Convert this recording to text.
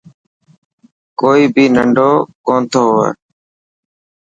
ڪوئي بهي ننڊو ڪونٿو هئي.